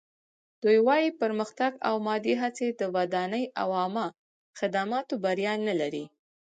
دوی وايي پرمختګ او مادي هڅې د ودانۍ او عامه خدماتو بریا نه لري.